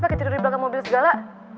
kaki tidur di belakang mobil segala